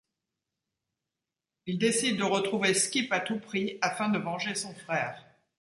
Il décide de retrouver Skip à tout prix, afin de venger son frère.